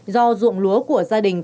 do ruộng lúa của gia đình thương tình